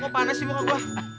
kok panas sih muka gue